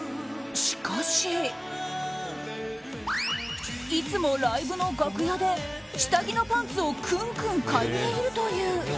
しかし、いつもライブの楽屋で下着のパンツをクンクン嗅いでいるという。